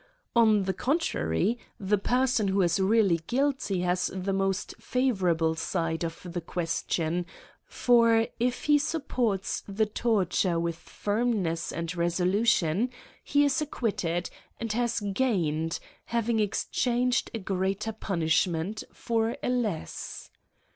On the contrary, the person who is really guilty has the most favourable side of the question ; for, if he supports the torture with firmness and resolution, he is acquitted, and has gained, having exchanged a greater punishment for a less.